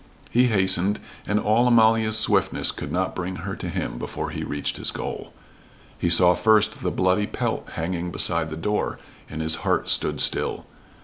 He hastened, and all Amalia's swiftness could not bring her to him before he reached his goal. He saw first the bloody pelt hanging beside the door, and his heart stood still.